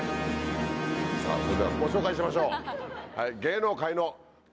それではご紹介しましょう！